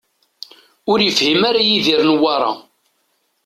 Ur yefhim ara Yidir Newwara.